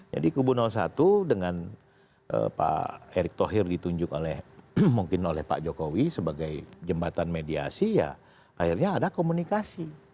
jadi kubu satu dengan pak erik thohir ditunjuk oleh pak jokowi sebagai jembatan mediasi ya akhirnya ada komunikasi